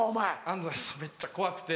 めっちゃ怖くて。